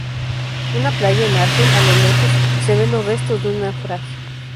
Una playa en Argel, a lo lejos se ven los restos de un naufragio.